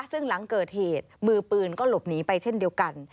ซึ่งหลังเกิดเหตุมือปืนก็หลบหนีไปเช่นเดียวกัน